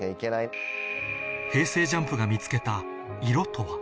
ＪＵＭＰが見つけた「色」とは？